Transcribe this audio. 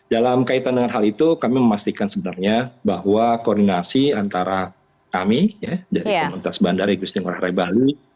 dalam kaitan dengan hal itu kami memastikan sebenarnya bahwa koordinasi antara kami dari komunitas bandara igusti ngurah rai bali